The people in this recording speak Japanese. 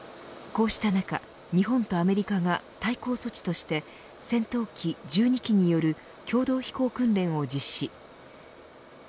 こうした中、日本とアメリカが対抗措置として戦闘機１２機による共同飛行訓練を実施。